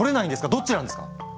どっちなんですか！